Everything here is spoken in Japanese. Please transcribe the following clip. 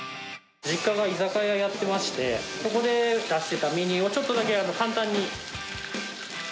実家が居酒屋やってまして、ここで出してたメニューを、ちょっとだけ簡単に。